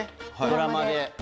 ドラマで。